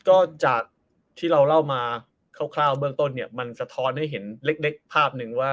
ก็จากที่เราเล่ามาคร่าวเบื้องต้นเนี่ยมันสะท้อนให้เห็นเล็กภาพหนึ่งว่า